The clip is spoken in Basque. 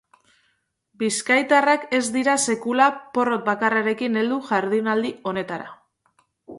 Bizkaitarrak ez dira sekula porrot bakarrarekin heldu jardunaldi honetara.